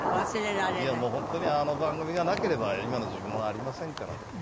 もう本当にあの番組がなければ今の自分はありませんから。